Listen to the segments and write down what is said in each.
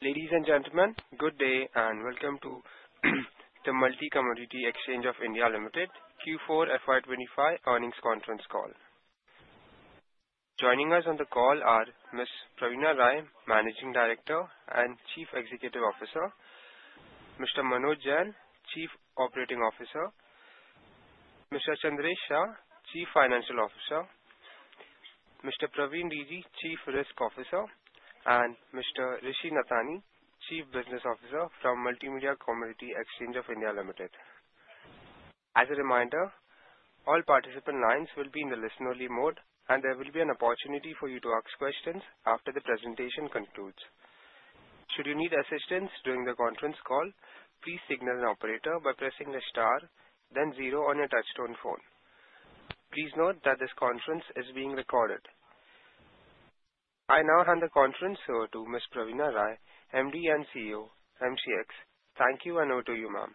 Ladies and gentlemen, good day and welcome to the Multi Commodity Exchange of India Limited Q4 FY 2025 earnings conference call. Joining us on the call are Ms. Praveena Rai, Managing Director and Chief Executive Officer, Mr. Manoj Jain, Chief Operating Officer, Mr. Chandresh Shah, Chief Financial Officer, Mr. Praveen DG, Chief Risk Officer, and Mr. Rishi Nathany, Chief Business Officer from Multi Commodity Exchange of India Ltd. As a reminder, all participant lines will be in the listen-only mode, and there will be an opportunity for you to ask questions after the presentation concludes. Should you need assistance during the conference call, please signal an operator by pressing the star, then zero on your touch-tone phone. Please note that this conference is being recorded. I now hand the conference over to Ms. Praveena Rai, MD and CEO, MCX. Thank you and over to you, ma'am.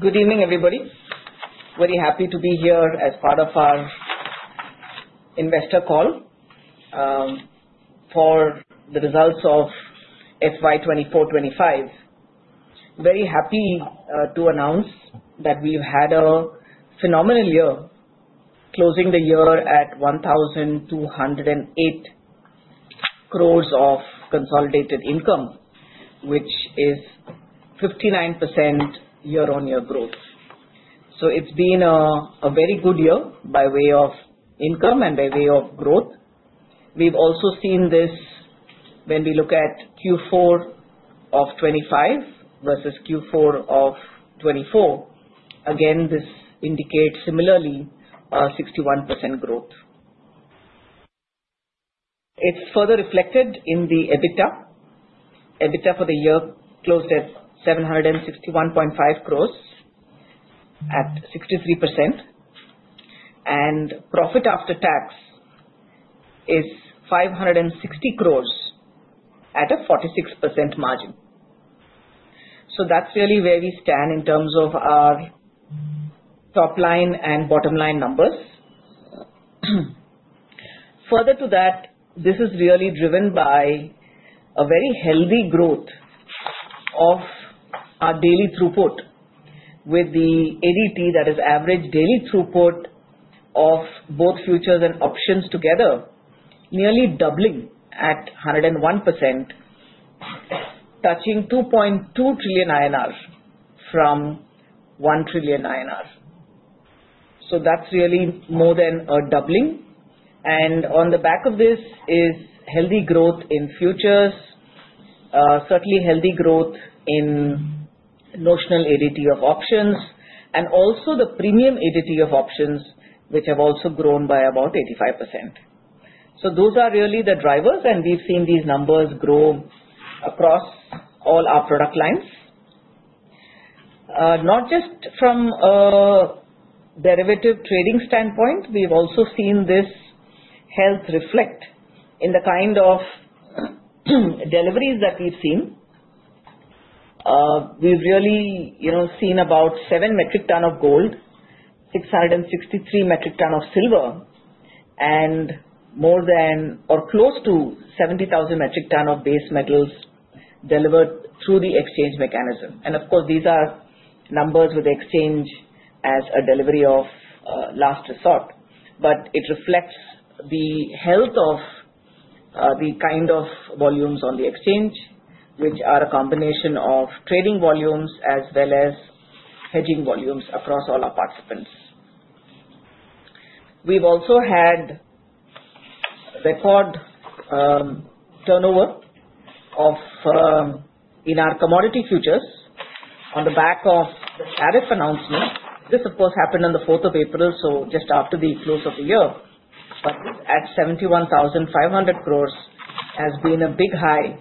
Good evening, everybody. Very happy to be here as part of our investor call for the results of FY 2024-2025. Very happy to announce that we've had a phenomenal year, closing the year at 1,208 crore of consolidated income, which is 59% year-on-year growth. So it's been a very good year by way of income and by way of growth. We've also seen this when we look at Q4 of 2025 versus Q4 of 2024. Again, this indicates similarly a 61% growth. It's further reflected in the EBITDA. EBITDA for the year closed at 761.5 crore, at 63%, and profit after tax is 560 crore at a 46% margin. So that's really where we stand in terms of our top-line and bottom-line numbers. Further to that, this is really driven by a very healthy growth of our daily throughput with the ADT, that is, average daily throughput of both futures and options together, nearly doubling at 101%, touching 2.2 trillion INR from 1 trillion INR, so that's really more than a doubling. And on the back of this is healthy growth in futures, certainly healthy growth in notional ADT of options, and also the premium ADT of options, which have also grown by about 85%, so those are really the drivers, and we've seen these numbers grow across all our product lines. Not just from a derivative trading standpoint, we've also seen this health reflect in the kind of deliveries that we've seen. We've really seen about 7 metric tons of Gold, 663 metric tons of Silver, and more than or close to 70,000 metric tons of base metals delivered through the exchange mechanism. And of course, these are numbers with the exchange as a delivery of last resort, but it reflects the health of the kind of volumes on the exchange, which are a combination of trading volumes as well as hedging volumes across all our participants. We've also had record turnover in our commodity futures on the back of the tariff announcement. This, of course, happened on the 4th of April, so just after the close of the year. But at 71,500 crore has been a big high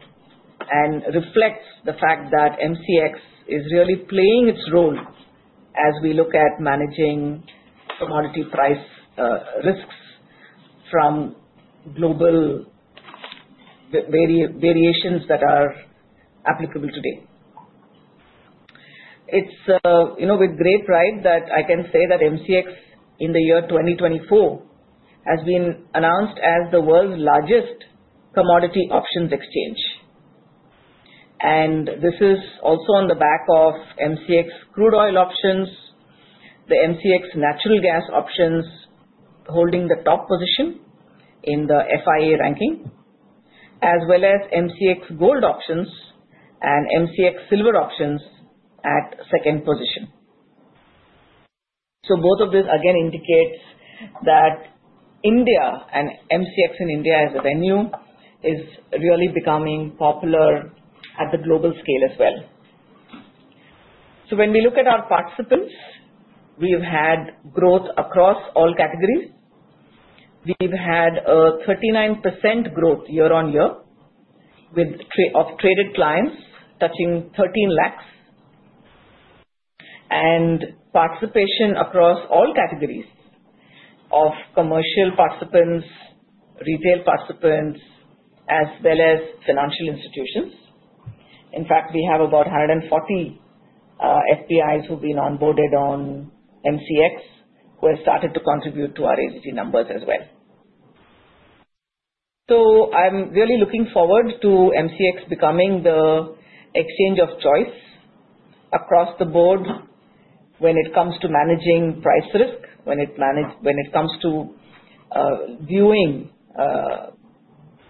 and reflects the fact that MCX is really playing its role as we look at managing commodity price risks from global variations that are applicable today. It's with great pride that I can say that MCX in the year 2024 has been announced as the world's largest commodity options exchange, and this is also on the back of MCX Crude Oil options, the MCX Natural Gas options holding the top position in the FIA ranking, as well as MCX Gold options and MCX Silver options at second position. Both of this again indicates that India and MCX in India as a venue is really becoming popular at the global scale as well. When we look at our participants, we've had growth across all categories. We've had a 39% growth year-on-year of traded clients touching 13 lakhs and participation across all categories of commercial participants, retail participants, as well as financial institutions. In fact, we have about 140 FPIs who've been onboarded on MCX who have started to contribute to our ADT numbers as well. So I'm really looking forward to MCX becoming the exchange of choice across the board when it comes to managing price risk, when it comes to viewing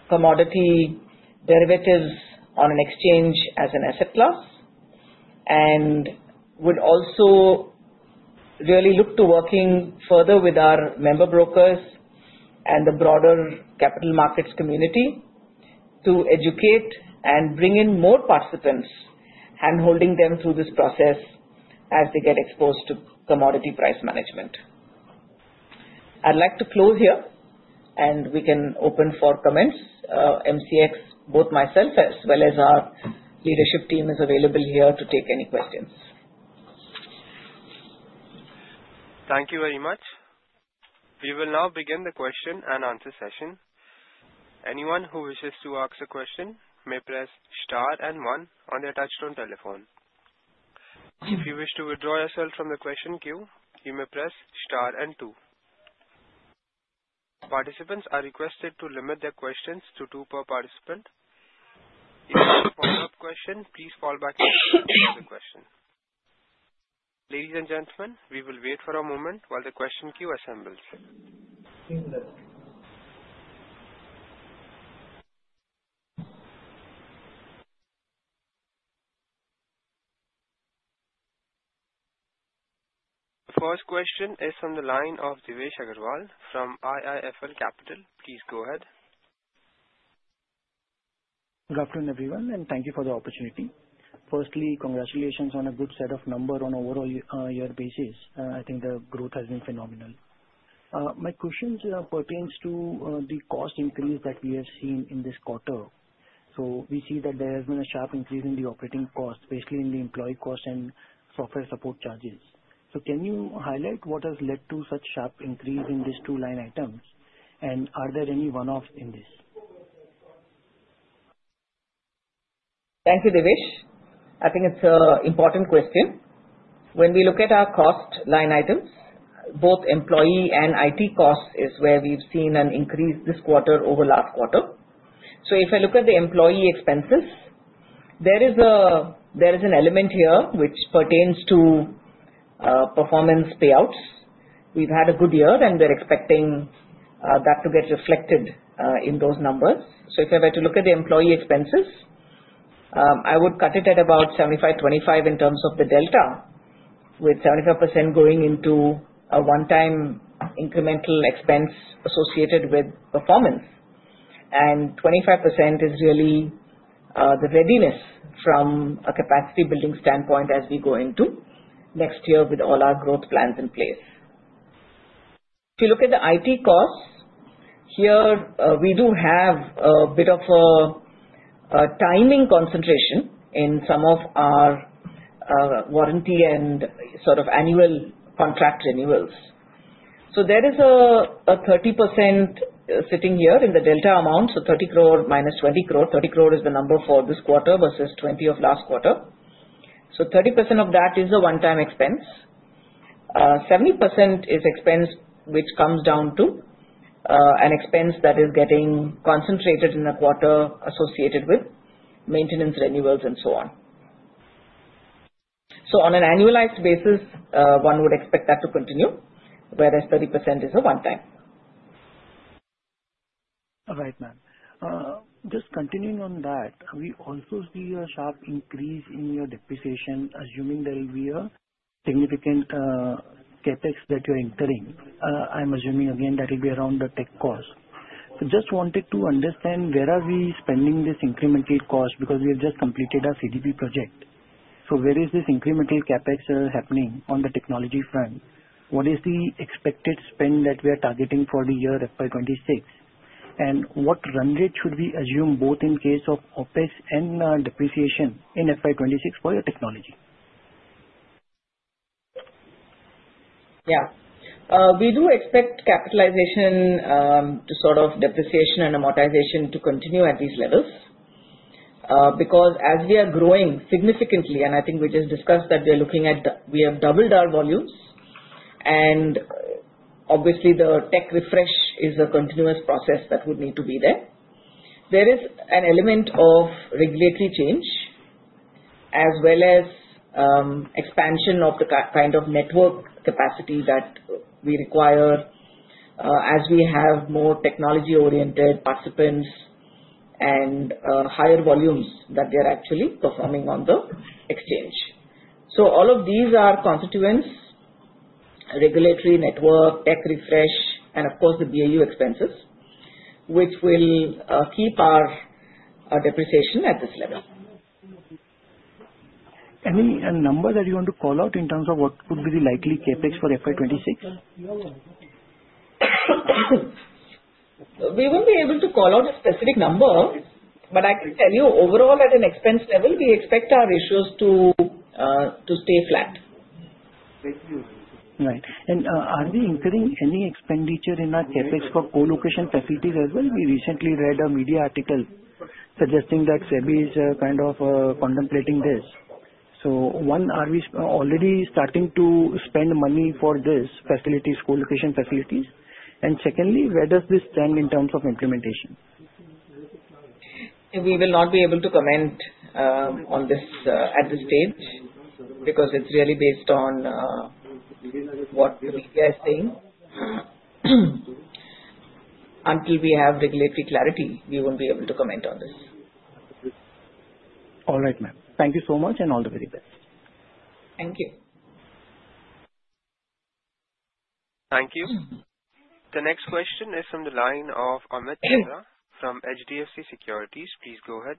commodity derivatives on an exchange as an asset class, and would also really look to working further with our member brokers and the broader capital markets community to educate and bring in more participants and holding them through this process as they get exposed to commodity price management. I'd like to close here, and we can open for comments. MCX, both myself as well as our leadership team is available here to take any questions. Thank you very much. We will now begin the question and answer session. Anyone who wishes to ask a question may press star and one on their touch-tone telephone. If you wish to withdraw yourself from the question queue, you may press star and two. Participants are requested to limit their questions to two per participant. If you have a follow-up question, please fall back to the question. Ladies and gentlemen, we will wait for a moment while the question queue assembles. The first question is from the line of Devesh Agarwal from IIFL Capital. Please go ahead. Good afternoon, everyone, and thank you for the opportunity. Firstly, congratulations on a good set of numbers on an overall year basis. I think the growth has been phenomenal. My question pertains to the cost increase that we have seen in this quarter. So we see that there has been a sharp increase in the operating costs, especially in the employee costs and software support charges. So can you highlight what has led to such a sharp increase in these two line items, and are there any one-offs in this? Thank you, Devesh. I think it's an important question. When we look at our cost line items, both employee and IT costs is where we've seen an increase this quarter over last quarter. So if I look at the employee expenses, there is an element here which pertains to performance payouts. We've had a good year, and we're expecting that to get reflected in those numbers. So if I were to look at the employee expenses, I would cut it at about 75%-25% in terms of the delta, with 75% going into a one-time incremental expense associated with performance, and 25% is really the readiness from a capacity-building standpoint as we go into next year with all our growth plans in place. If you look at the IT costs here, we do have a bit of a timing concentration in some of our warranty and sort of annual contract renewals. So there is a 30% sitting here in the delta amount, so 30 crore - 20 crore. 30 crore is the number for this quarter versus 20 of last quarter. So 30% of that is a one-time expense. 70% is expense which comes down to an expense that is getting concentrated in the quarter associated with maintenance renewals and so on. So on an annualized basis, one would expect that to continue, whereas 30% is a one-time. Right, ma'am. Just continuing on that, we also see a sharp increase in your depreciation, assuming there will be a significant CapEx that you're incurring. I'm assuming, again, that it'll be around the tech cost. I just wanted to understand where are we spending this incremental cost because we have just completed our CDP project. So where is this incremental CapEx happening on the technology front? What is the expected spend that we are targeting for the year FY 2026? And what run rate should we assume both in case of OpEx and depreciation in FY 2026 for your technology? Yeah. We do expect CapEx, depreciation and amortization to continue at these levels because as we are growing significantly, and I think we just discussed that we are looking at we have doubled our volumes, and obviously, the tech refresh is a continuous process that would need to be there. There is an element of regulatory change as well as expansion of the kind of network capacity that we require as we have more technology-oriented participants and higher volumes that they are actually performing on the exchange. So all of these are constituents: regulatory network, tech refresh, and of course, the BAU expenses, which will keep our depreciation at this level. Any number that you want to call out in terms of what would be the likely CapEx for FY 2026? We won't be able to call out a specific number, but I can tell you overall at an expense level, we expect our ratios to stay flat. Right. And are we incurring any expenditure in our CapEx for co-location facilities as well? We recently read a media article suggesting that SEBI is kind of contemplating this. So one, are we already starting to spend money for these facilities, co-location facilities? And secondly, where does this stand in terms of implementation? We will not be able to comment on this at this stage because it's really based on what the media is saying. Until we have regulatory clarity, we won't be able to comment on this. All right, ma'am. Thank you so much and all the very best. Thank you. Thank you. The next question is from the line of Amit Chandra from HDFC Securities. Please go ahead.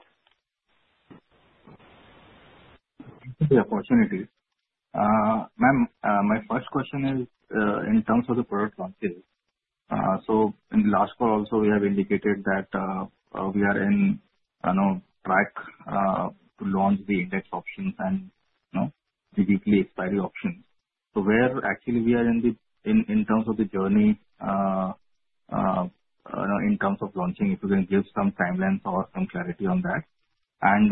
Thank you for the opportunity. Ma'am, my first question is in terms of the product launches. So in the last quarter, also, we have indicated that we are on track to launch the index options and the weekly expiry options. So where actually we are in terms of the journey in terms of launching, if you can give some timelines or some clarity on that. And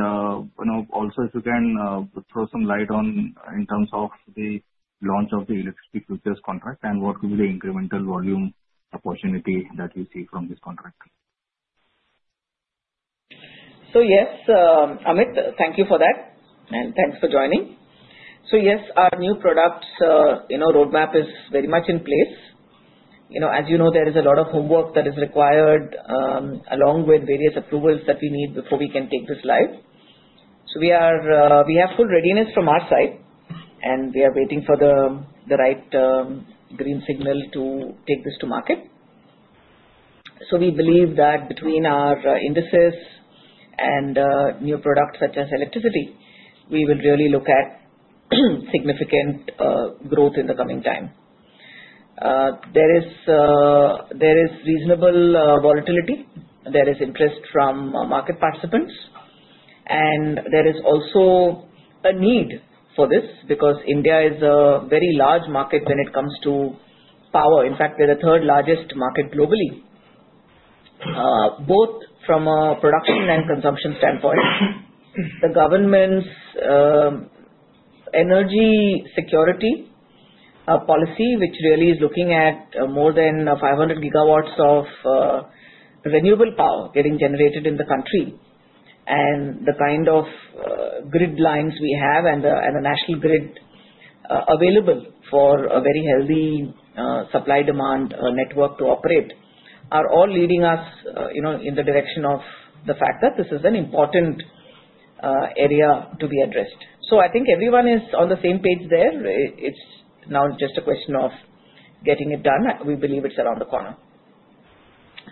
also, if you can throw some light on in terms of the launch of the Electricity futures contract and what would be the incremental volume opportunity that you see from this contract. Yes, Amit, thank you for that, and thanks for joining. Our new product roadmap is very much in place. As you know, there is a lot of homework that is required along with various approvals that we need before we can take this live. We have full readiness from our side, and we are waiting for the right green signal to take this to market. We believe that between our indices and new products such as Electricity, we will really look at significant growth in the coming time. There is reasonable volatility. There is interest from market participants, and there is also a need for this because India is a very large market when it comes to power. In fact, we are the third largest market globally, both from a production and consumption standpoint. The government's energy security policy, which really is looking at more than 500 GW of renewable power getting generated in the country, and the kind of grid lines we have and the national grid available for a very healthy supply-demand network to operate are all leading us in the direction of the fact that this is an important area to be addressed. So I think everyone is on the same page there. It's now just a question of getting it done. We believe it's around the corner.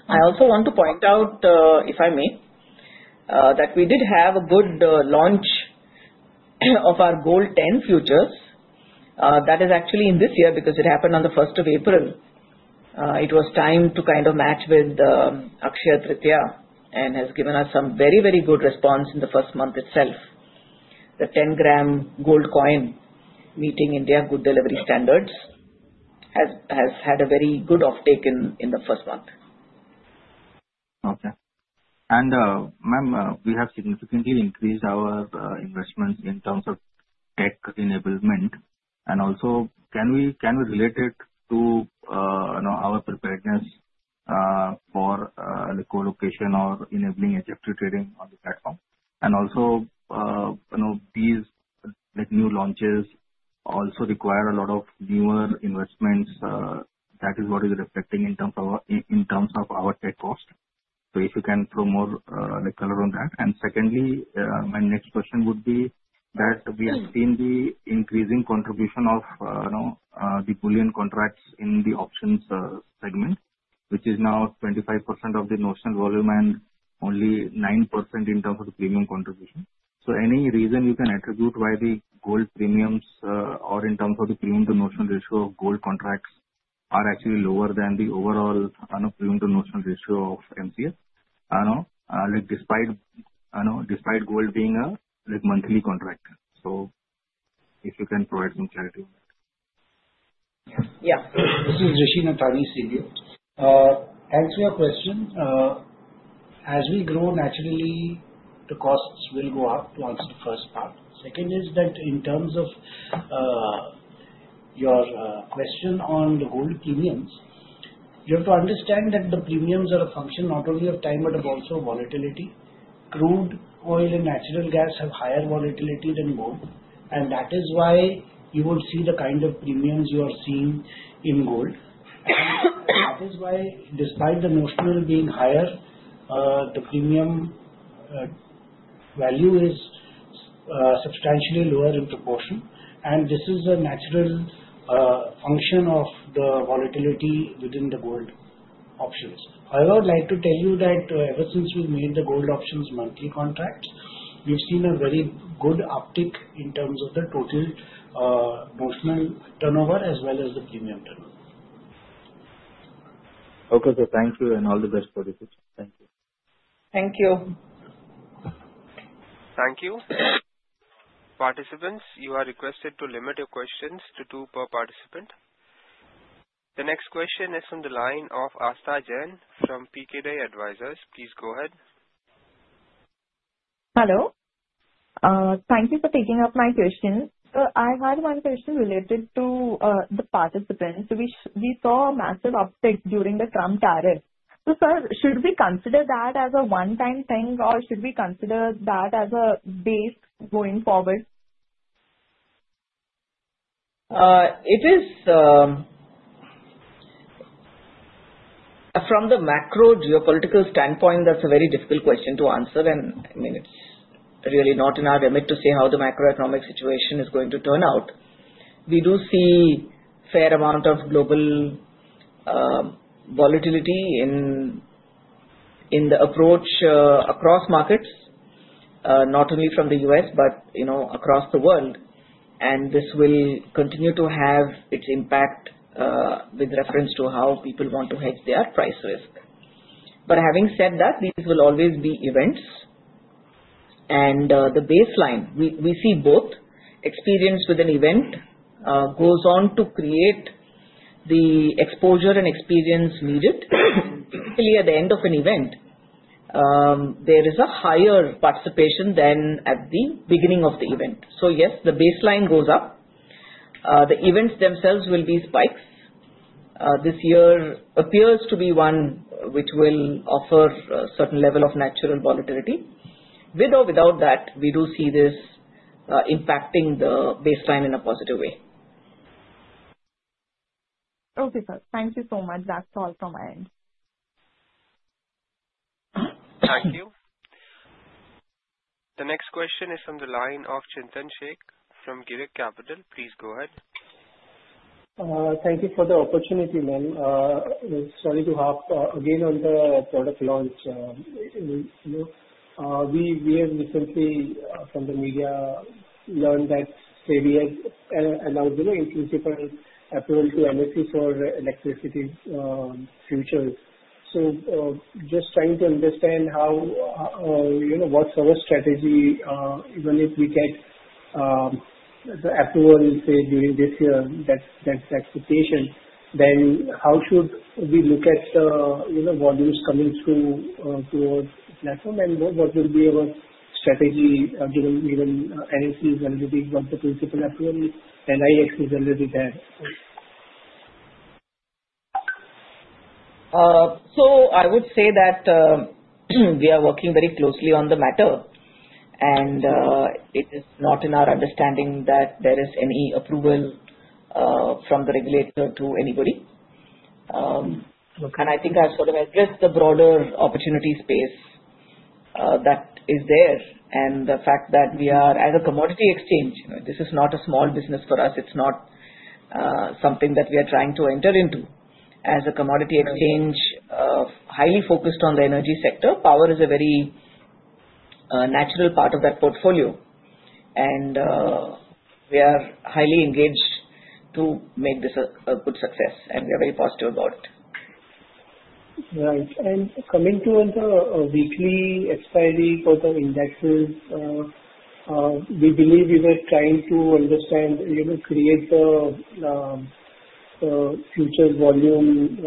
I also want to point out, if I may, that we did have a good launch of our Gold Ten futures. That is actually in this year because it happened on the 1st of April. It was time to kind of match with Akshaya Tritiya and has given us some very, very good response in the first month itself. The 10 g Gold coin meeting Indian Good Delivery standards has had a very good offtake in the first month. Okay. Ma'am, we have significantly increased our investments in terms of tech enablement. Also, can we relate it to our preparedness for co-location or enabling algo trading on the platform? Also, these new launches also require a lot of newer investments. That is what is reflecting in terms of our tech cost. So if you can throw more color on that. Secondly, my next question would be that we have seen the increasing contribution of the bullion contracts in the options segment, which is now 25% of the notional volume and only 9% in terms of the premium contribution. So any reason you can attribute why the Gold premiums or in terms of the premium-to-notional ratio of Gold contracts are actually lower than the overall premium-to-notional ratio of MCX, despite Gold being a monthly contract? So if you can provide some clarity on that. Yeah. This is Rishi Nathany, senior. Thanks for your question. As we grow, naturally, the costs will go up to answer the first part. Second is that in terms of your question on the Gold premiums, you have to understand that the premiums are a function not only of time but also of volatility. Crude Oil and Natural Gas have higher volatility than Gold, and that is why you won't see the kind of premiums you are seeing in Gold. And that is why, despite the notional being higher, the premium value is substantially lower in proportion, and this is a natural function of the volatility within the Gold options. However, I would like to tell you that ever since we made the Gold options monthly contracts, we've seen a very good uptick in terms of the total notional turnover as well as the premium turnover. Okay, sir. Thank you, and all the best for this. Thank you. Thank you. Thank you. Participants, you are requested to limit your questions to two per participant. The next question is from the line of [Astajay] from PKD ADVISORS. Please go ahead. Hello. Thank you for taking up my question. I had one question related to the participants. We saw a massive uptick during the Trump tariff. So sir, should we consider that as a one-time thing, or should we consider that as a base going forward? From the macro geopolitical standpoint, that's a very difficult question to answer, and I mean, it's really not in our limit to say how the macroeconomic situation is going to turn out. We do see a fair amount of global volatility in the approach across markets, not only from the U.S. but across the world, and this will continue to have its impact with reference to how people want to hedge their price risk. But having said that, these will always be events, and the baseline we see both experience with an event goes on to create the exposure and experience needed. Typically, at the end of an event, there is a higher participation than at the beginning of the event. So yes, the baseline goes up. The events themselves will be spikes. This year appears to be one which will offer a certain level of natural volatility. With or without that, we do see this impacting the baseline in a positive way. Okay, sir. Thank you so much. That's all from my end. Thank you. The next question is from the line of Chintan Sheth from Girik Capital. Please go ahead. Thank you for the opportunity, ma'am. Sorry to hop again on the product launch. We have recently, from the media, learned that SEBI has announced an in-principle approval to NSE for Electricity futures. So just trying to understand what's our strategy, even if we get the approval, say, during this year, that's the expectation, then how should we look at the volumes coming through towards the platform, and what will be our strategy given NSE is already being one of the principal approvals, and IEX is already there? I would say that we are working very closely on the matter, and it is not in our understanding that there is any approval from the regulator to anybody. I think I've sort of addressed the broader opportunity space that is there and the fact that we are, as a commodity exchange, this is not a small business for us. It's not something that we are trying to enter into. As a commodity exchange, highly focused on the energy sector, power is a very natural part of that portfolio, and we are highly engaged to make this a good success, and we are very positive about it. Right. And coming to the weekly expiry for the indexes, we believe we were trying to understand, create the future volume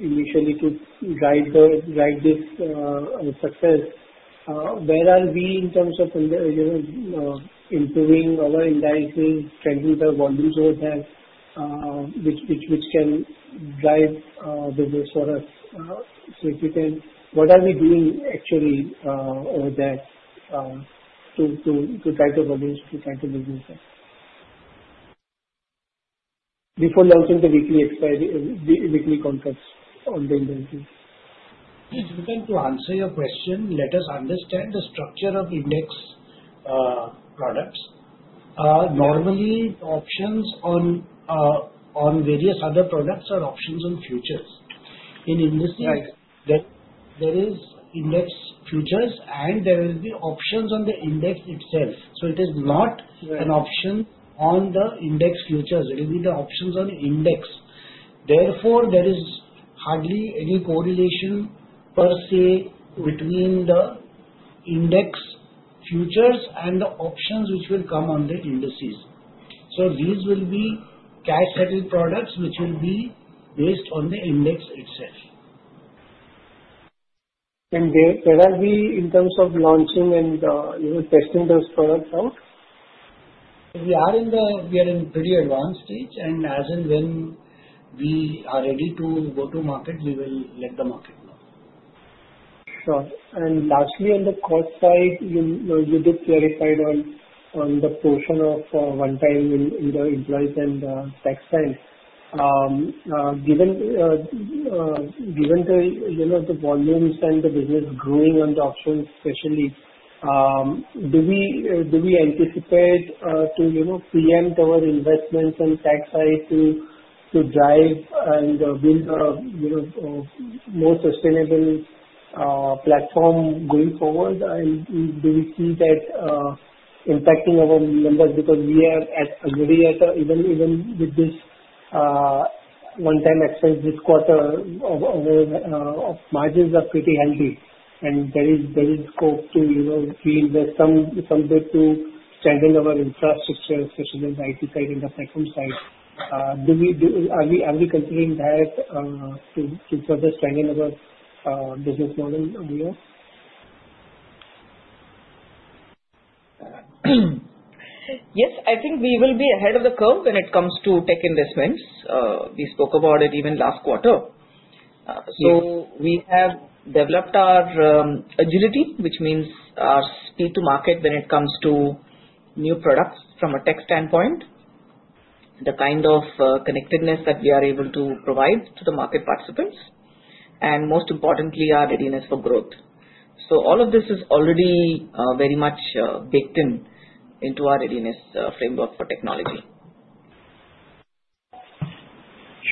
initially to drive this success. Where are we in terms of improving our indexes, trending the volumes over there, which can drive business for us? So if you can, what are we doing actually over there to drive the volumes, to try to make business? Before launching the weekly contracts on the indexes. Just to answer your question, let us understand the structure of index products. Normally, options on various other products are options on futures. In NSE, there is index futures, and there will be options on the index itself. So it is not an option on the index futures. It will be the options on the index. Therefore, there is hardly any correlation per se between the index futures and the options which will come on the indices. So these will be cash-settled products which will be based on the index itself. Where are we in terms of launching and testing those products out? We are in a pretty advanced stage, and as and when we are ready to go to market, we will let the market know. Sure. And lastly, on the cost side, you did clarify on the portion of one-time employees and tax side. Given the volumes and the business growing on the options, especially, do we anticipate to preempt our investments on tax side to drive and build a more sustainable platform going forward? And do we see that impacting our numbers because we are already at, even with this one-time expense this quarter, our margins are pretty healthy, and there is scope to reinvest some bit to strengthen our infrastructure, especially on the IT side and the platform side. Are we considering that to further strengthen our business model on here? Yes, I think we will be ahead of the curve when it comes to tech investments. We spoke about it even last quarter. So we have developed our agility, which means our speed to market when it comes to new products from a tech standpoint, the kind of connectedness that we are able to provide to the market participants, and most importantly, our readiness for growth. So all of this is already very much baked into our readiness framework for technology.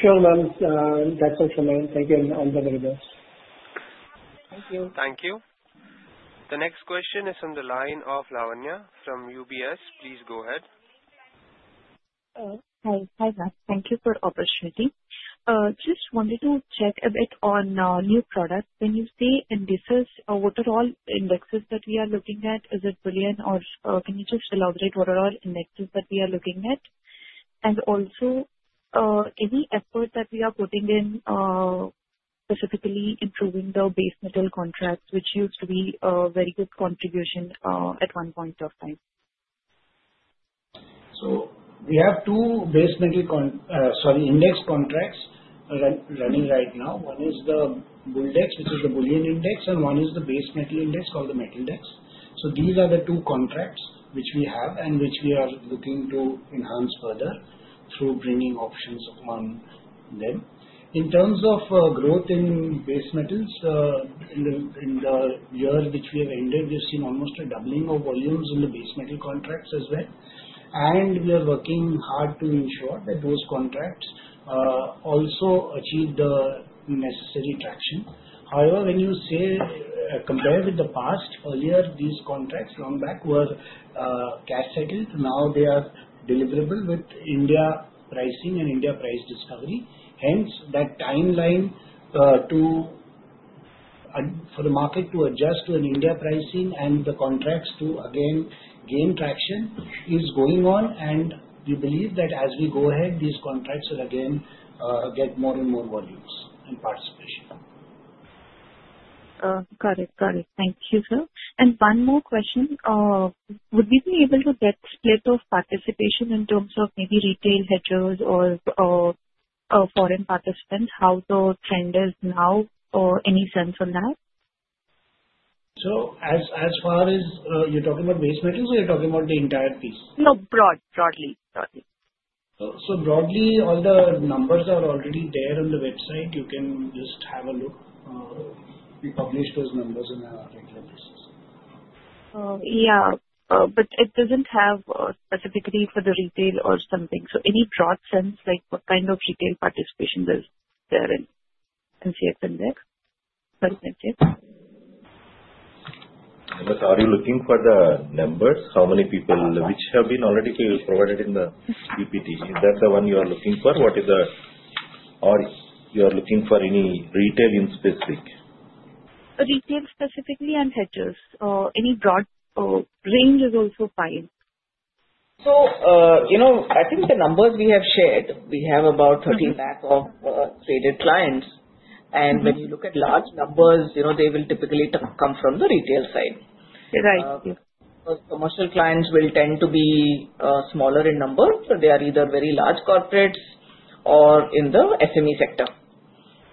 Sure, ma'am. That's all from me. Thank you, and all the very best. Thank you. Thank you. The next question is from the line of [Lavanya] from UBS. Please go ahead. Hi, thank you for the opportunity. Just wanted to check a bit on new products. When you say indices, what are all indexes that we are looking at? Is it bullion? Or can you just elaborate what are all indexes that we are looking at? And also, any effort that we are putting in specifically improving the base metal contracts, which used to be a very good contribution at one point of time? So we have two base metal sorry, index contracts running right now. One is the BULLDEX, which is the bullion index, and one is the base metal index called the METLDEX. So these are the two contracts which we have and which we are looking to enhance further through bringing options upon them. In terms of growth in base metals, in the year which we have ended, we've seen almost a doubling of volumes in the base metal contracts as well, and we are working hard to ensure that those contracts also achieve the necessary traction. However, when you say compare with the past, earlier, these contracts long back were cash-settled. Now, they are deliverable with India pricing and India price discovery. Hence, that timeline for the market to adjust to an India pricing and the contracts to, again, gain traction is going on, and we believe that as we go ahead, these contracts will again get more and more volumes and participation. Got it. Got it. Thank you, sir, and one more question. Would we be able to get split of participation in terms of maybe retail hedgers or foreign participants? How the trend is now, or any sense on that? So as far as you're talking about base metals, or you're talking about the entire piece? No, broad. Broadly. So broadly, all the numbers are already there on the website. You can just have a look. We publish those numbers on a regular basis. Yeah, but it doesn't have specifically for the retail or something. So any broad sense, what kind of retail participation is there in MCX and [DEX]? But are you looking for the numbers? How many people which have been already provided in the PPT? Is that the one you are looking for? Or you are looking for any retail in specific? Retail specifically and hedgers? Any broad range is also fine. So I think the numbers we have shared, we have about 30 lakh of traded clients, and when you look at large numbers, they will typically come from the retail side. Right. Because commercial clients will tend to be smaller in number, so they are either very large corporates or in the SME sector.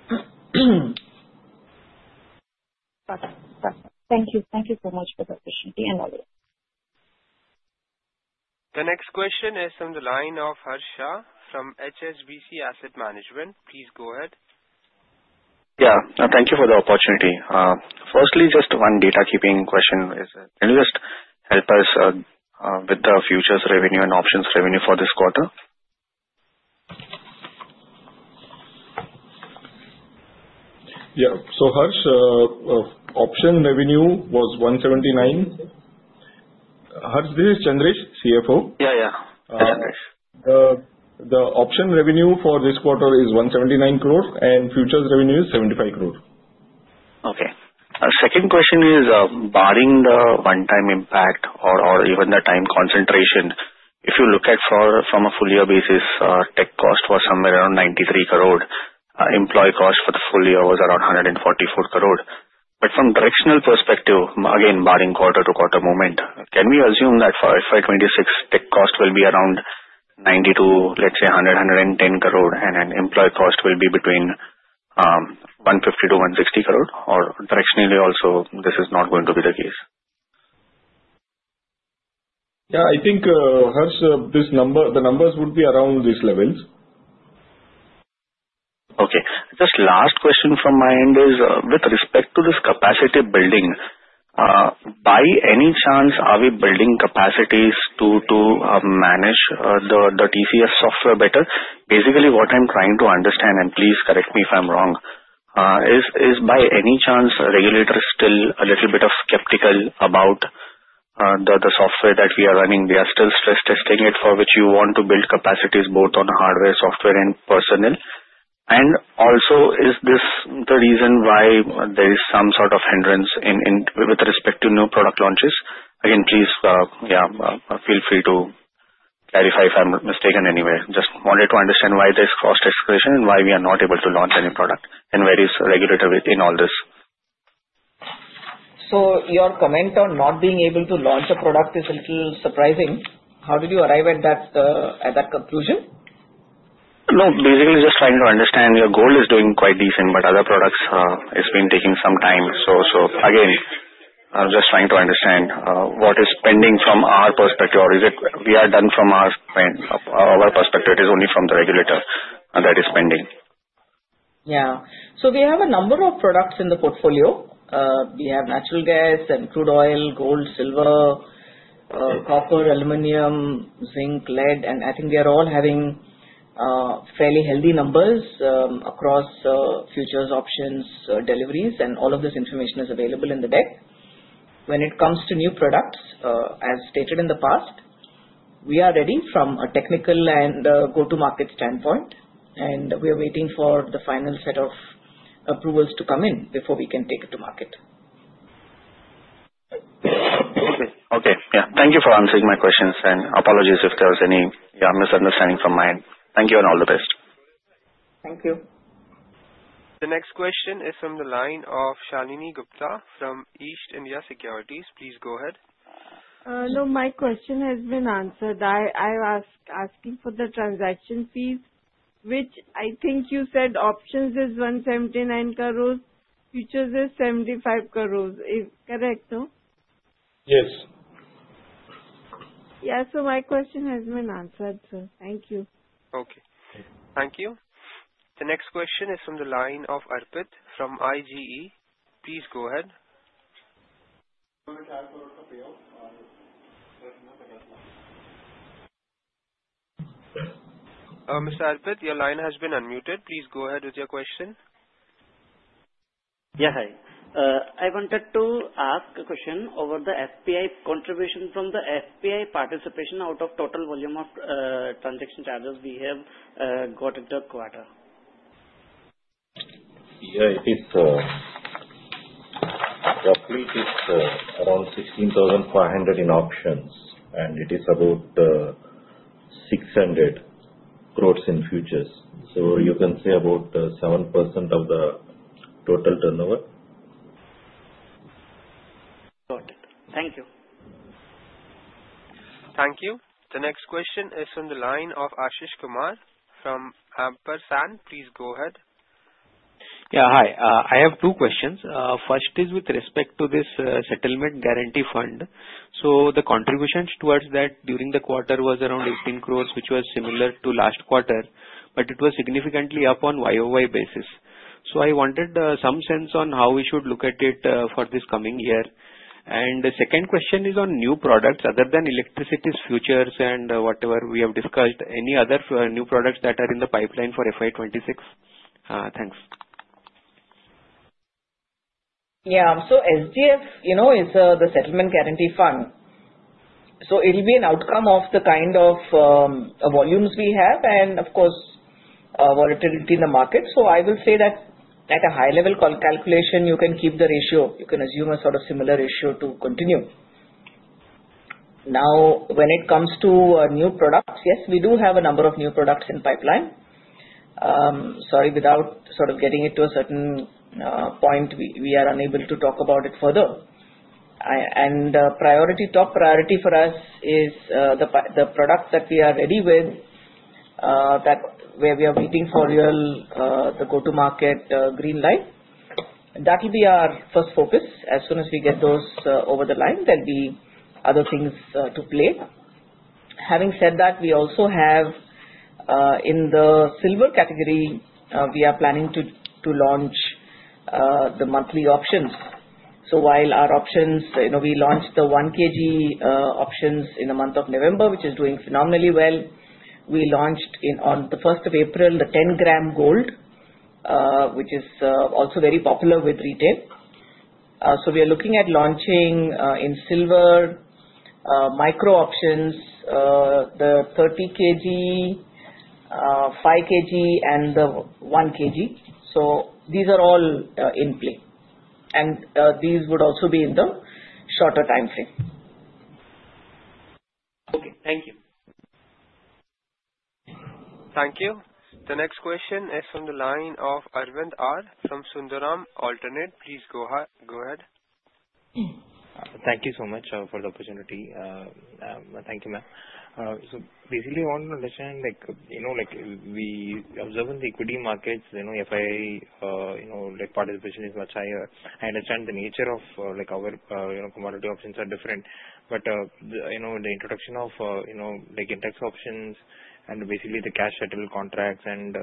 Got it. Got it. Thank you. Thank you so much for the opportunity and all yours. The next question is from the line of Harsha from HSBC Asset Management. Please go ahead. Yeah. Thank you for the opportunity. Firstly, just one data-keeping question. Can you just help us with the futures revenue and options revenue for this quarter? Yeah. So Harsha, option revenue was 179 crore. Harsha, this is Chandresh, CFO. Yeah, yeah. Chandresh. The option revenue for this quarter is 179 crore, and futures revenue is 75 crore. Okay. Second question is barring the one-time impact or even the time concentration, if you look at from a full-year basis, tech cost was somewhere around 93 crore. Employee cost for the full year was around 144 crore. But from directional perspective, again, barring quarter-to-quarter movement, can we assume that for FY 2026, tech cost will be around 90 crore to, let's say, 100 crore-110 crore, and employee cost will be between 150 crore-160 crore? Or directionally also, this is not going to be the case? Yeah, I think, Harsha, the numbers would be around these levels. Okay. Just last question from my end is, with respect to this capacity building, by any chance, are we building capacities to manage the TCS software better? Basically, what I'm trying to understand, and please correct me if I'm wrong, is by any chance, regulators still a little bit skeptical about the software that we are running? We are still stress-testing it for which you want to build capacities both on hardware, software, and personnel. And also, is this the reason why there is some sort of hindrance with respect to new product launches? Again, please, yeah, feel free to clarify if I'm mistaken anyway. Just wanted to understand why there's stress-test expression and why we are not able to launch any product, and where is the regulator in all this? So your comment on not being able to launch a product is a little surprising. How did you arrive at that conclusion? No, basically, just trying to understand. Your Gold is doing quite decent, but other products, it's been taking some time. So again, I'm just trying to understand what is pending from our perspective, or is it we are done from our perspective, it is only from the regulator that is pending? Yeah. So we have a number of products in the portfolio. We have Natural Gas and Crude Oil, Gold, Silver, Copper, Aluminium, Zinc, Lead, and I think we are all having fairly healthy numbers across futures, options, deliveries, and all of this information is available in the deck. When it comes to new products, as stated in the past, we are ready from a technical and go-to-market standpoint, and we are waiting for the final set of approvals to come in before we can take it to market. Okay. Yeah. Thank you for answering my questions, and apologies if there was any misunderstanding from my end. Thank you, and all the best. Thank you. The next question is from the line of Shalini Gupta from East India Securities. Please go ahead. No, my question has been answered. I was asking for the transaction fees, which I think you said options is 179 crore, futures is 75 crore. Is it correct? No? Yes. Yeah, so my question has been answered, sir. Thank you. Okay. Thank you. The next question is from the line of Arpit from IGE. Please go ahead. Mr. Arpit, your line has been unmuted. Please go ahead with your question. Yeah, hi. I wanted to ask a question over the FPI contribution from the FPI participation out of total volume of transaction charges we have got in the quarter? Yeah, it is complete. It's around 16,500 crore in options, and it is about 600 crore in futures. So you can say about 7% of the total turnover. Got it. Thank you. Thank you. The next question is from the line of Ashish Kumar from Ampersand. Please go ahead. Yeah, hi. I have two questions. First is with respect to this Settlement Guarantee Fund. So the contributions towards that during the quarter was around 18 crore, which was similar to last quarter, but it was significantly up on YoY basis. So I wanted some sense on how we should look at it for this coming year. And the second question is on new products other than Electricity futures and whatever we have discussed. Any other new products that are in the pipeline for FY 2026? Thanks. Yeah. So SGF is the Settlement Guarantee Fund. So it'll be an outcome of the kind of volumes we have and, of course, volatility in the market. So I will say that at a high-level calculation, you can keep the ratio. You can assume a sort of similar ratio to continue. Now, when it comes to new products, yes, we do have a number of new products in pipeline. Sorry, without sort of getting it to a certain point, we are unable to talk about it further. And top priority for us is the product that we are ready with, where we are waiting for the go-to-market green light. That'll be our first focus. As soon as we get those over the line, there'll be other things to play. Having said that, we also have in the Silver category, we are planning to launch the monthly options. While our options, we launched the 1 kg options in the month of November, which is doing phenomenally well. We launched on the 1st of April, the 10 g Gold, which is also very popular with retail. We are looking at launching in Silver Micro options, the 30 kg, 5 kg, and the 1 kg. These are all in play. These would also be in the shorter time frame. Okay. Thank you. Thank you. The next question is from the line of Aravind R. from Sundaram Alternates. Please go ahead. Thank you so much for the opportunity. Thank you, ma'am. So basically, I want to understand. We observe in the equity markets, FII participation is much higher. I understand the nature of our commodity options are different. But the introduction of index options and basically the cash-settled contracts, and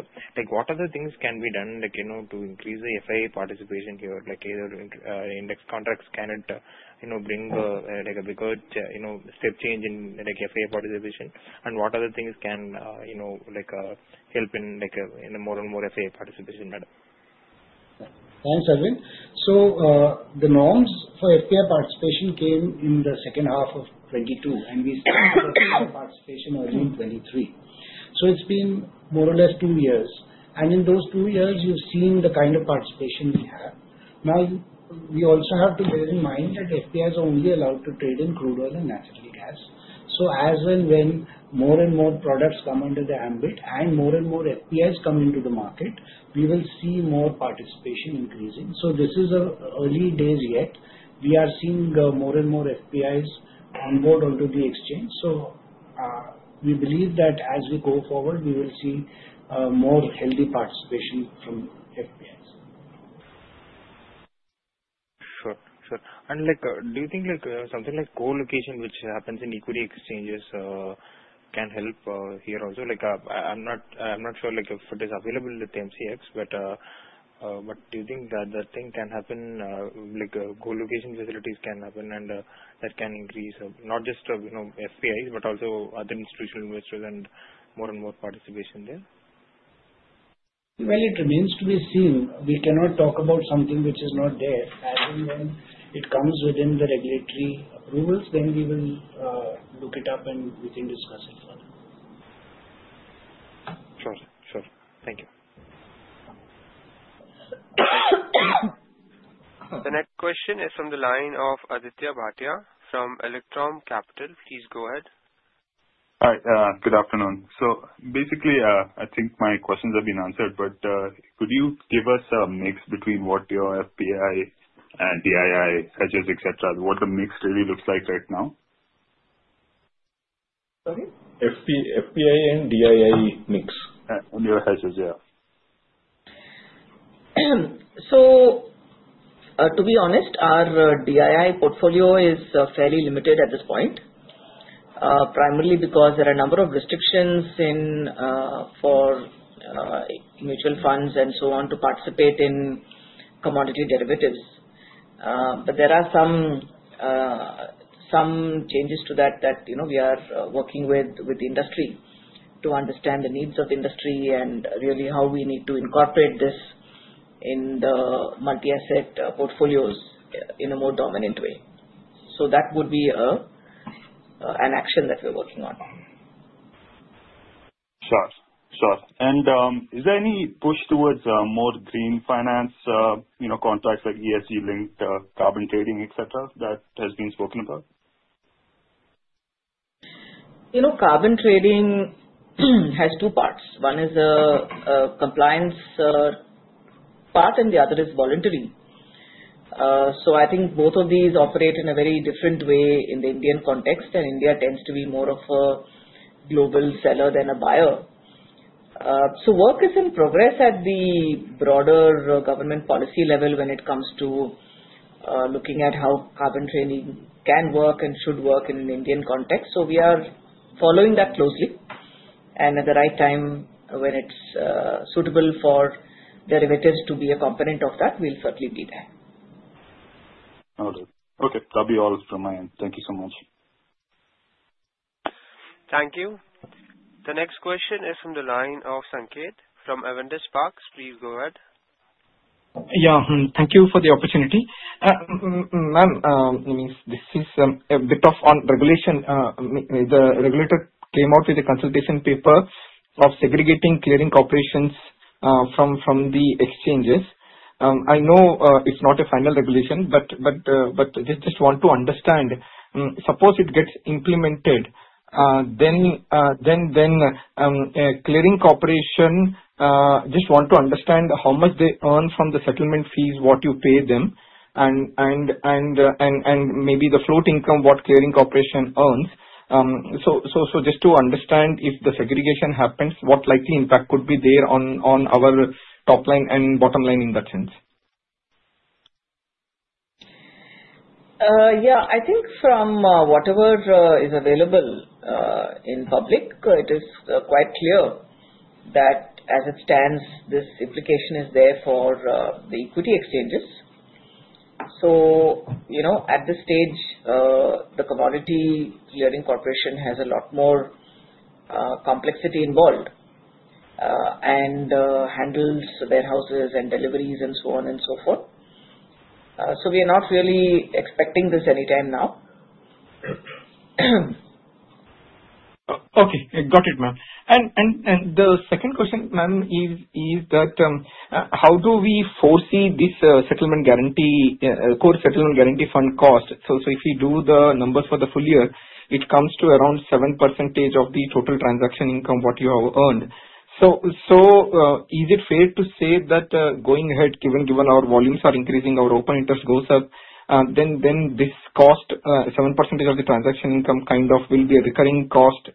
what other things can be done to increase the FII participation here? Either index contracts can it bring a bigger step change in FII participation? And what other things can help in more and more FII participation, madam? Thanks, Aravind. So the norms for FPI participation came in the second half of 2022, and we started FPI participation early in 2023. So it's been more or less two years. And in those two years, you've seen the kind of participation we have. Now, we also have to bear in mind that FPI is only allowed to trade in Crude Oil and Natural Gas. So as and when more and more products come under the ambit and more and more FPIs come into the market, we will see more participation increasing. So this is early days yet. We are seeing more and more FPIs onboard onto the exchange. So we believe that as we go forward, we will see more healthy participation from FPIs. Sure. Sure. And do you think something like co-location, which happens in equity exchanges, can help here also? I'm not sure if it is available at the MCX, but do you think that the thing can happen, co-location facilities can happen, and that can increase not just FPIs, but also other institutional investors and more and more participation there? It remains to be seen. We cannot talk about something which is not there. As in when it comes within the regulatory approvals, then we will look it up and we can discuss it further. Sure. Sure. Thank you. The next question is from the line of Aditya Bhatia from Electrum Capital. Please go ahead. Hi. Good afternoon. So basically, I think my questions have been answered, but could you give us a mix between what your FPI and DII hedges, etc., what the mix really looks like right now? Sorry? FPI and DII mix. And your hedges, yeah. So to be honest, our DII portfolio is fairly limited at this point, primarily because there are a number of restrictions for mutual funds and so on to participate in commodity derivatives. But there are some changes to that that we are working with the industry to understand the needs of the industry and really how we need to incorporate this in the multi-asset portfolios in a more dominant way. So that would be an action that we're working on. Sure. Sure. And is there any push towards more green finance contracts like ESG-linked carbon trading, etc., that has been spoken about? Carbon trading has two parts. One is a compliance part, and the other is voluntary. So I think both of these operate in a very different way in the Indian context, and India tends to be more of a global seller than a buyer. So work is in progress at the broader government policy level when it comes to looking at how carbon trading can work and should work in an Indian context. So we are following that closely, and at the right time, when it's suitable for derivatives to be a component of that, we'll certainly be there. Okay. That'll be all from my end. Thank you so much. Thank you. The next question is from the line of Sanketh from Avendus Spark. Please go ahead. Yeah. Thank you for the opportunity. Ma'am, this is a bit of regulation. The regulator came out with a consultation paper of segregating clearing corporations from the exchanges. I know it's not a final regulation, but just want to understand. Suppose it gets implemented, then clearing corporation just want to understand how much they earn from the settlement fees, what you pay them, and maybe the float income what clearing corporation earns. So just to understand if the segregation happens, what likely impact could be there on our top line and bottom line in that sense? Yeah. I think from whatever is available in public, it is quite clear that as it stands, this implication is there for the equity exchanges. So at this stage, the commodity clearing corporation has a lot more complexity involved and handles warehouses and deliveries and so on and so forth. So we are not really expecting this anytime now. Okay. Got it, ma'am. And the second question, ma'am, is that how do we foresee this core Settlement Guarantee Fund cost? So if we do the numbers for the full year, it comes to around 7% of the total transaction income what you have earned. So is it fair to say that going ahead, given our volumes are increasing, our open interest goes up, then this cost, 7% of the transaction income, kind of will be a recurring cost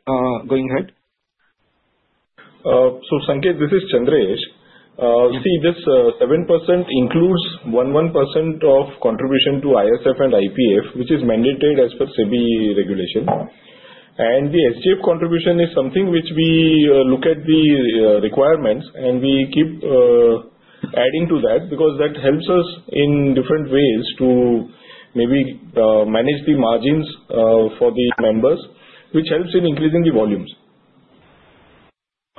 going ahead? So Sankeet, this is Chandresh. See, this 7% includes 11% of contribution to ISF and IPF, which is mandated as per SEBI regulation. And the SGF contribution is something which we look at the requirements, and we keep adding to that because that helps us in different ways to maybe manage the margins for the members, which helps in increasing the volumes.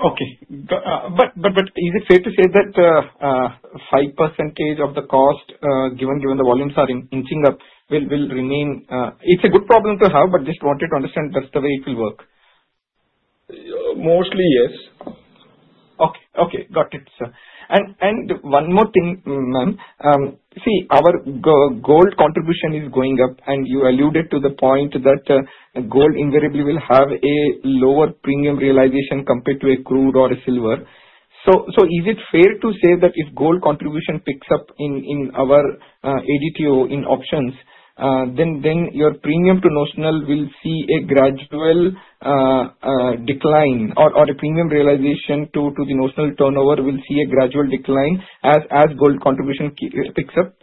Okay. But is it fair to say that 5% of the cost, given the volumes are inching up, will remain? It's a good problem to have, but just wanted to understand that's the way it will work. Mostly, yes. Okay. Okay. Got it, sir. And one more thing, ma'am. See, our Gold contribution is going up, and you alluded to the point that Gold invariably will have a lower premium realization compared to a Crude or a Silver. So is it fair to say that if Gold contribution picks up in our ADT in options, then your premium to notional will see a gradual decline or a premium realization to the notional turnover will see a gradual decline as Gold contribution picks up?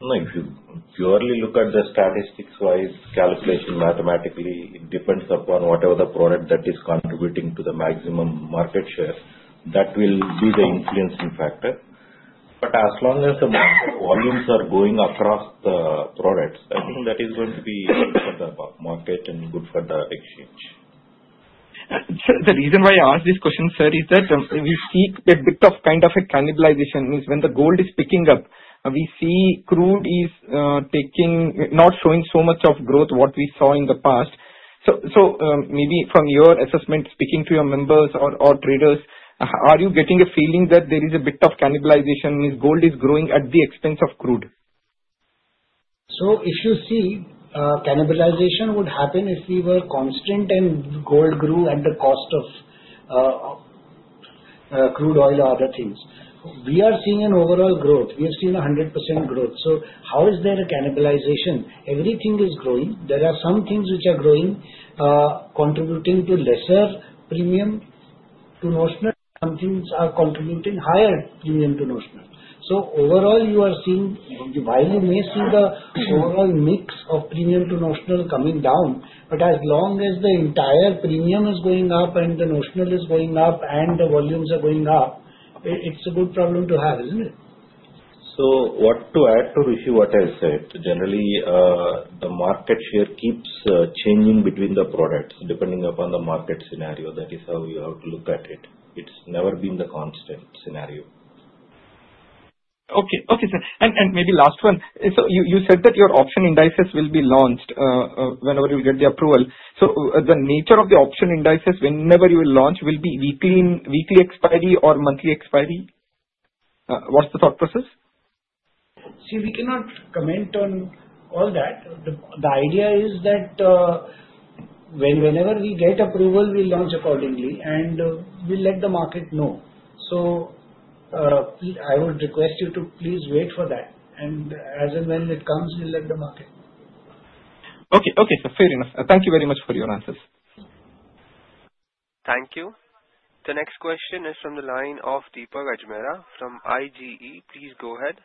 No. If you purely look at the statistics-wise calculation mathematically, it depends upon whatever the product that is contributing to the maximum market share. That will be the influencing factor. But as long as the market volumes are going across the products, I think that is going to be good for the market and good for the exchange. The reason why I ask this question, sir, is that we see a bit of kind of a cannibalization. When the Gold is picking up, we see Crude is not showing so much of growth what we saw in the past, so maybe from your assessment, speaking to your members or traders, are you getting a feeling that there is a bit of cannibalization? Means Gold is growing at the expense of crude? So if you see, cannibalization would happen if we were constant and Gold grew at the cost of Crude Oil or other things. We are seeing an overall growth. We have seen 100% growth. So how is there a cannibalization? Everything is growing. There are some things which are growing, contributing to lesser premium to notional. Some things are contributing higher premium to notional. So overall, you are seeing, while you may see the overall mix of premium to notional coming down, but as long as the entire premium is going up and the notional is going up and the volumes are going up, it's a good problem to have, isn't it? So what to add to refute what I said? Generally, the market share keeps changing between the products depending upon the market scenario. That is how you have to look at it. It's never been the constant scenario. Okay. Okay, sir. And maybe last one. So you said that your option indices will be launched whenever you get the approval. So the nature of the option indices whenever you will launch will be weekly expiry or monthly expiry? What's the thought process? See, we cannot comment on all that. The idea is that whenever we get approval, we'll launch accordingly, and we'll let the market know, so I would request you to please wait for that, and as and when it comes, we'll let the market know. Okay. Okay, sir. Fair enough. Thank you very much for your answers. Thank you. The next question is from the line of Deepak Ajmera from IGE. Please go ahead.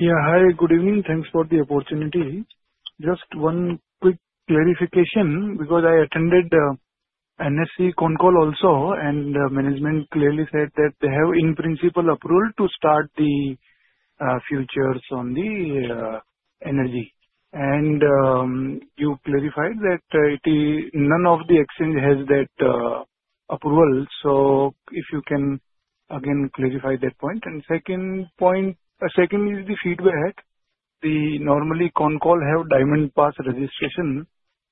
Yeah. Hi. Good evening. Thanks for the opportunity. Just one quick clarification because I attended the NSC con call also, and the management clearly said that they have in principle approval to start the futures on the energy. And you clarified that none of the exchange has that approval. So if you can again clarify that point. And second point, second is the feedback. Normally, con call have diamond pass registration.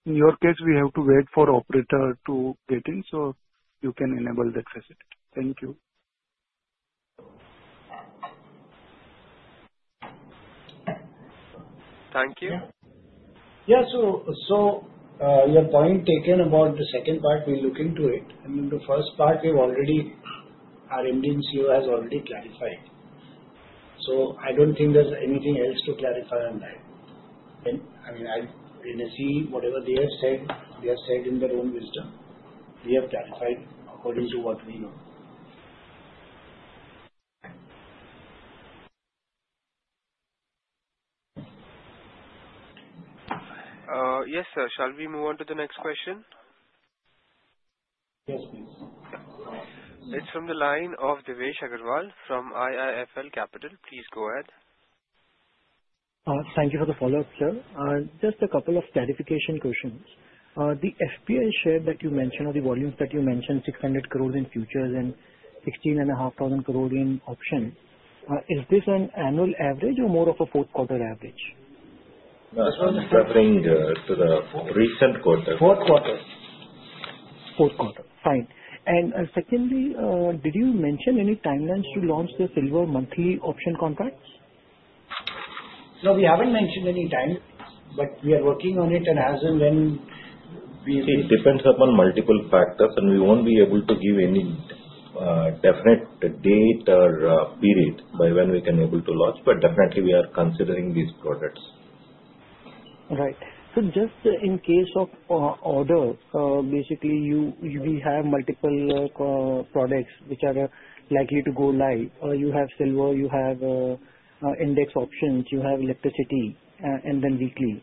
In your case, we have to wait for operator to get in so you can enable that facility. Thank you. Thank you. Yeah. So your point taken about the second part, we're looking to it. And in the first part, our MD, MCX has already clarified. So I don't think there's anything else to clarify on that. I mean, I see whatever they have said, they have said in their own wisdom. We have clarified according to what we know. Yes, sir. Shall we move on to the next question? Yes, please. It's from the line of Devesh Agarwal from IIFL Capital. Please go ahead. Thank you for the follow-up, sir. Just a couple of clarification questions. The FPI share that you mentioned or the volumes that you mentioned, 600 crore in futures and 16,500 crore in options, is this an annual average or more of a fourth-quarter average? That's what I'm referring to, the recent quarter. Fourth quarter. Fourth quarter. Fine. And secondly, did you mention any timelines to launch the Silver monthly option contracts? No, we haven't mentioned any timelines, but we are working on it. And as and when we. It depends upon multiple factors, and we won't be able to give any definite date or period by when we can be able to launch, but definitely, we are considering these products. Right. So just in case of order, basically, we have multiple products which are likely to go live. You have Silver, you have index options, you have Electricity, and then weekly.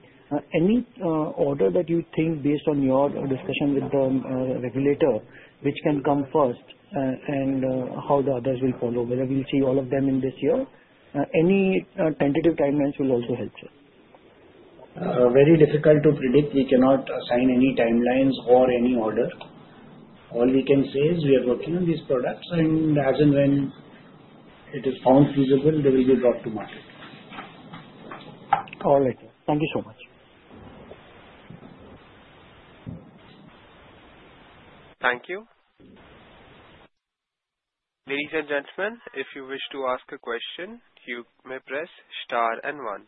Any order that you think based on your discussion with the regulator, which can come first and how the others will follow, whether we'll see all of them in this year, any tentative timelines will also help, sir? Very difficult to predict. We cannot assign any timelines or any order. All we can say is we are working on these products, and as and when it is found feasible, they will be brought to market. All right. Thank you so much. Thank you. Ladies and gentlemen, if you wish to ask a question, you may press star and one.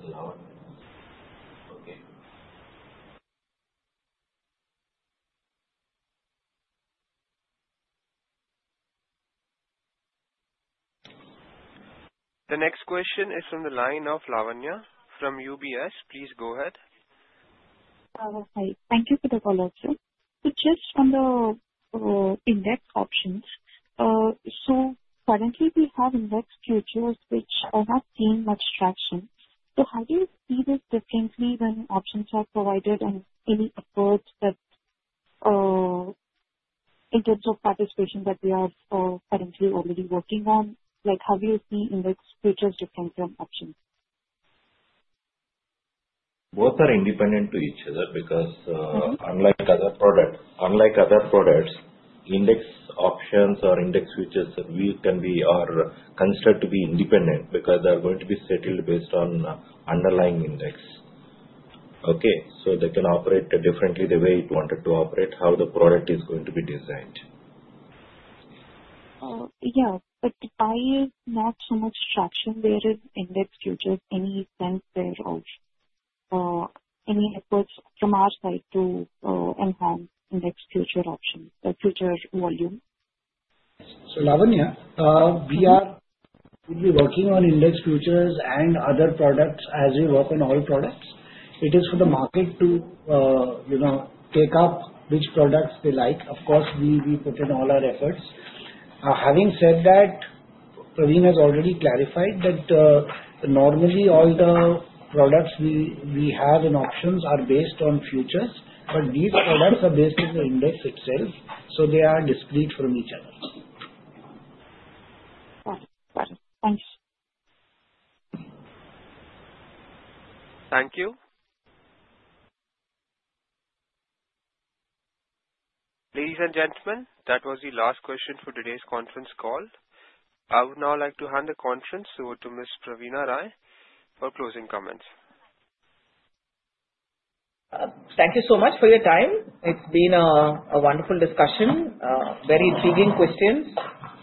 The next question is from the line of [Lavanya] from UBS. Please go ahead. Thank you for the follow-up, sir. So just on the index options, so currently, we have index futures, which are not seeing much traction. So how do you see this differently when options are provided and any efforts that in terms of participation that we are currently already working on? How do you see index futures different from options? Both are independent to each other because unlike other products, index options or index futures can be considered to be independent because they are going to be settled based on underlying index. Okay. So they can operate differently the way it wanted to operate, how the product is going to be designed. Yeah. But why not so much traction? Where is index futures? Any sense there of any efforts from our side to enhance index futures options, the futures volume? So [Lavanya], we are working on index futures and other products as we work on all products. It is for the market to take up which products they like. Of course, we put in all our efforts. Having said that, Praveen has already clarified that normally all the products we have in options are based on futures, but these products are based on the index itself, so they are discrete from each other. Got it. Got it. Thanks. Thank you. Ladies and gentlemen, that was the last question for today's conference call. I would now like to hand the conference over to Ms. Praveena Rai for closing comments. Thank you so much for your time. It's been a wonderful discussion. Very intriguing questions.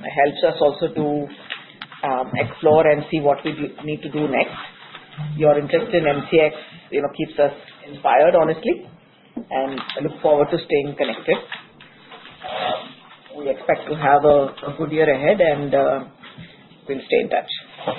It helps us also to explore and see what we need to do next. Your interest in MCX keeps us inspired, honestly, and I look forward to staying connected. We expect to have a good year ahead, and we'll stay in touch.